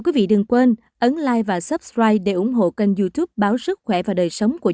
quý vị đừng quên ấn like và subscribe để ủng hộ kênh youtube báo sức khỏe và đời sống của